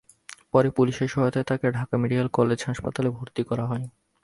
পরে পুলিশের সহায়তায় তাকে ঢাকা মেডিকেল কলেজ হাসপাতালে ভর্তি করা হয়।